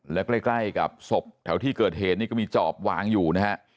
และใกล้กับศพแถวที่เกิดเหตุนี่ก็มีจอบวางอยู่นะฮะ